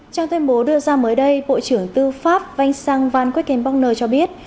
trong tuyên bố đưa ra mới đây bộ trưởng tư pháp văn sang van quyết kiên bong nơ cho biết